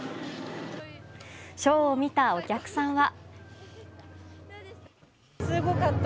ショーを見たお客さんは。